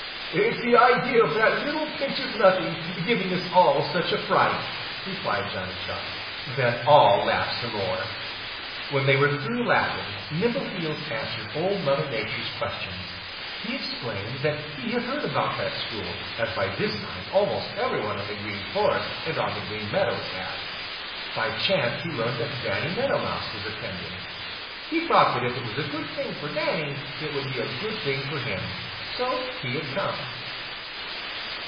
"At the idea of that little pinch of nothing giving us all such a fright," replied Johnny Chuck. Then all laughed some more. When they were through laughing Nimbleheels answered Old Mother Nature's questions. He explained that he had heard about that school, as by this time almost every one in the Green Forest and on the Green Meadows had. By chance he learned that Danny Meadow Mouse was attending. He thought that if it was a good thing for Danny it would be a good thing for him, so he had come.